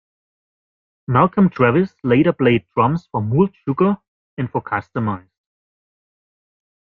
Malcolm Travis later played drums for Mould's Sugar, and for Kustomized.